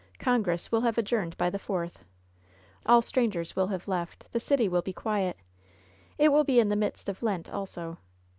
"Congress will have adjourned by the fourth. All strangers will have left. The city will bo quiet. It will be in the midst of Lent also.